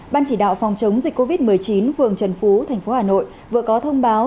ban chỉ đạo phòng chống dịch covid một mươi chín phường trần phú thành phố hà nội vừa có thông báo